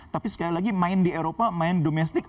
tapi sekali lagi main di eropa main domestik